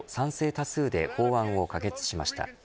多数で法案を可決しました。